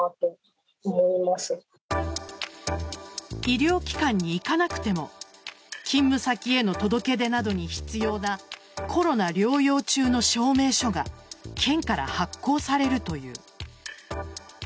医療機関に行かなくても勤務先への届け出などに必要なコロナ療養中の証明書が県から発行されるという。